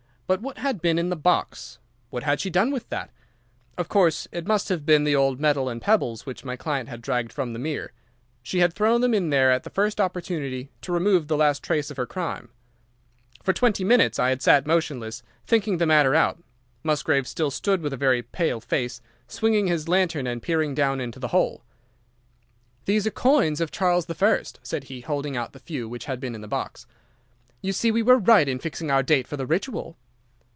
But what had been in the box? What had she done with that? Of course, it must have been the old metal and pebbles which my client had dragged from the mere. She had thrown them in there at the first opportunity to remove the last trace of her crime. "For twenty minutes I had sat motionless, thinking the matter out. Musgrave still stood with a very pale face, swinging his lantern and peering down into the hole. "'These are coins of Charles the First,' said he, holding out the few which had been in the box; 'you see we were right in fixing our date for the Ritual.